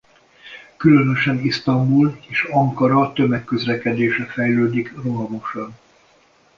Különösen Isztambul és Ankara tömegközlekedése fejlődik rohamosan.